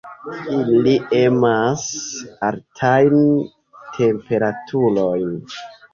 Ili emas altajn temperaturojn.